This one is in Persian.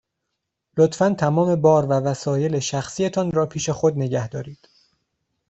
لطفاً تمام بار و وسایل شخصی تان را پیش خود نگه دارید.